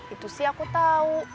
itu sih aku tahu